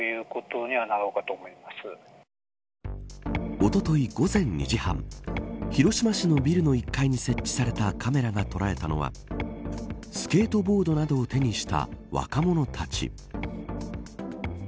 おととい、午前２時半広島市のビルの一家に設置されたカメラが捉えたのはスケートボードなどを手にした若者たち。